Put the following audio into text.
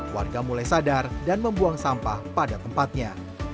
warga mulai sadar dan membuang sampah pada tempatnya